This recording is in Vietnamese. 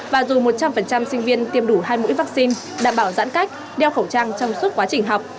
và dù một trăm linh sinh viên tiêm đủ hai mũi vaccine đảm bảo giãn cách đeo khẩu trang trong suốt quá trình học